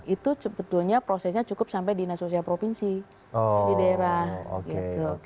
itu sebetulnya prosesnya cukup sampai dinas sosial provinsi di daerah gitu